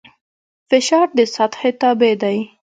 فشار د سطحې تابع دی.